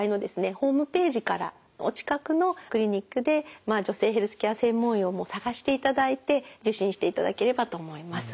ホームページからお近くのクリニックで女性ヘルスケア専門医を探していただいて受診していただければと思います。